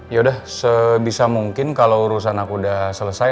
yaudah sebisa mungkin kalau urusan aku udah selesai